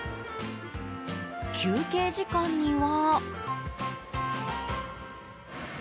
休憩時間には。